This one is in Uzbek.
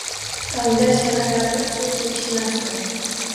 Tongda sharaqlatib suv sepishmasdik.